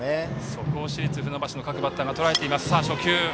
そこを市立船橋の各バッターがとらえています。